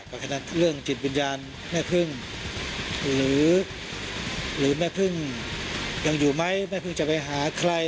เพราะฉะนั้นเรื่องจิตวิญญาณแม่พึ่งหรือแม่พึ่งยังอยู่ไหมแม่พึ่งจะไปหาใคร